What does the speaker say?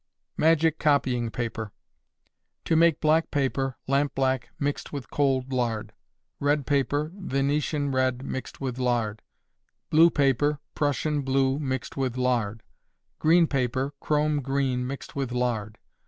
Magic Copying Paper. To make black paper, lampblack mixed with cold lard; red paper, Venetian red mixed with lard; blue paper, Prussian blue mixed with lard; green paper, Chrome green mixed with lard.